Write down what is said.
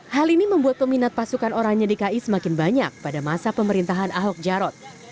hal ini membuat peminat pasukan orangnya dki semakin banyak pada masa pemerintahan ahok jarot